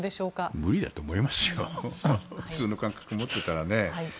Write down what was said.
無理だと思いますよ普通の感覚を持っていたらね。